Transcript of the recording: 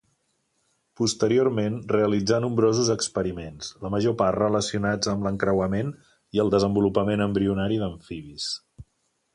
Posteriorment realitzà nombrosos experiments, la major part relacionats amb l'encreuament i el desenvolupament embrionari d'amfibis.